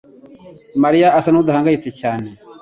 mariya asa nkudahangayitse cyane